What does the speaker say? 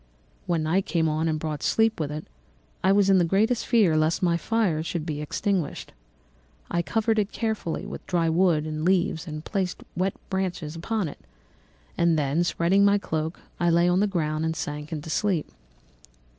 When night came on and brought sleep with it, I was in the greatest fear lest my fire should be extinguished. I covered it carefully with dry wood and leaves and placed wet branches upon it; and then, spreading my cloak, I lay on the ground and sank into sleep.